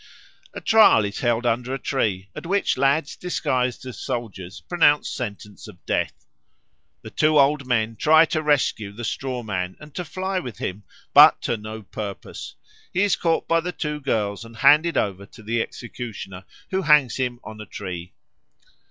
A trial is held under a tree, at which lads disguised as soldiers pronounce sentence of death. The two old men try to rescue the straw man and to fly with him, but to no purpose; he is caught by the two girls and handed over to the executioner, who hangs him on a tree.